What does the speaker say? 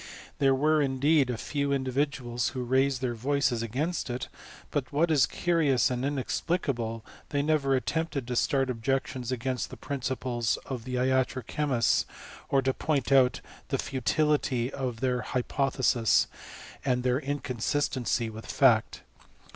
There were, indeed, a few indivi duals who raised their voices s^ainst it; but, what is curious and inexplicable, they never attempted to start objections against the pnnciples of the iatro * chemists, or to point out the futility of their hypothe ™ sis, and their inconsistency with fact.